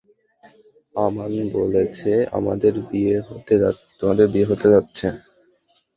আমান বলেছে তোমাদের বিয়ে হতে যাচ্ছে।